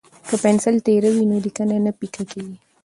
که پنسل تیره وي نو لیکنه نه پیکه کیږي.